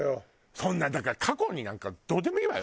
そんなだから過去になんかどうでもいいわよ。